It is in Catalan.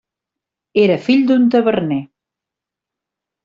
Era fill d'un taverner.